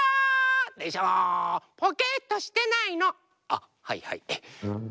あっはいはい。